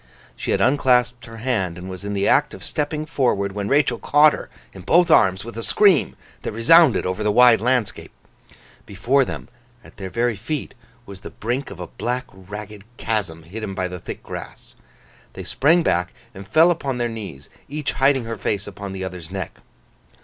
She had unclasped her hand, and was in the act of stepping forward, when Rachael caught her in both arms with a scream that resounded over the wide landscape. Before them, at their very feet, was the brink of a black ragged chasm hidden by the thick grass. They sprang back, and fell upon their knees, each hiding her face upon the other's neck.